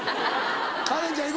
カレンちゃんい